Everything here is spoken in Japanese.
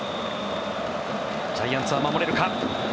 ジャイアンツは守れるか。